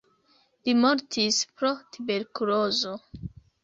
Li mortis pro tuberkulozo.